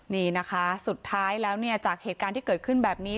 นี่นะคะสุดท้ายแล้วเนี่ยจากเหตุการณ์ที่เกิดขึ้นแบบนี้